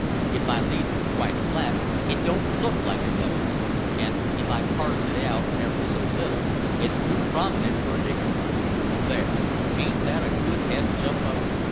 if I leaves it quite flat, it don't look like a nose, an' if I carves it out ever so little, it's too prominent for a nigger nose. There, ain't that a good head, Jumbo?"